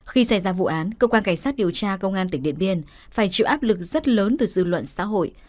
khi xảy ra vụ án cơ quan cảnh sát điều tra công an tỉnh điện biên phải chịu áp lực rất lớn từ dư luận xã hội